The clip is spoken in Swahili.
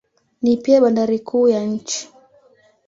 Ni pia bandari kuu ya nchi.